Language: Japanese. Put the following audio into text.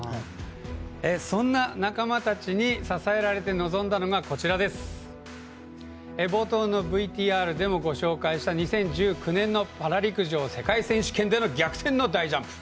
そんな仲間たちに支えられて臨んだのが冒頭のＶＴＲでもご紹介した２０１９年のパラ陸上世界選手権での逆転の大ジャンプ。